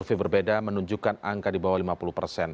survei berbeda menunjukkan angka di bawah lima puluh persen